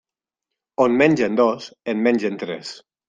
On mengen dos en mengen tres.